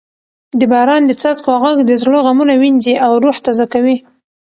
د باران د څاڅکو غږ د زړه غمونه وینځي او روح تازه کوي.